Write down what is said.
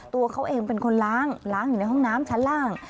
ตัวเขาเองเป็นคนล้างล้างอยู่ในห้องน้ำชั้นล่าง